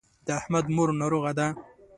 د احمد مور ناروغه ده.